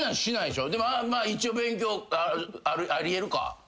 でも一応勉強あり得るか？